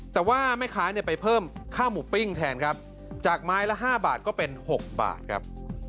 แต่ว่าแม่ค้าเนี่ยไปเพิ่มค่าหมูปิ้งแทนครับจากไม้ละ๕บาทก็เป็น๖บาทครับ